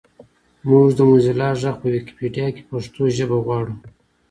مونږ د موزیلا غږ په ویکیپېډیا کې پښتو ژبه غواړو